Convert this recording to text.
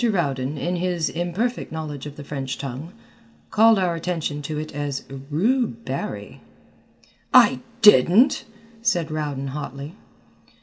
Rowden, in his imperfect knowledge of the French tongue, called our attention to it as Roo Barry " "I didn't," said Rowden hotly.